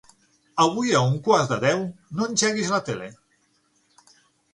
Avui a un quart de deu no engeguis la tele.